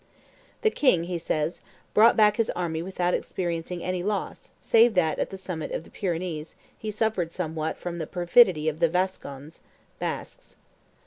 "The king," he says, "brought back his army without experiencing any loss, save that at the summit of the Pyrenees he suffered somewhat from the perfidy of the Vascons (Basques).